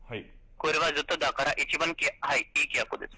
これはずっとだから、一番いい契約です。